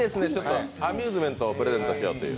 アミューズメントをプレゼントしようっていう。